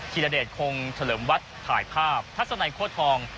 ทีระเด็ดคงเถลมวัดถ่ายภาพพระสนัยโคตรทอง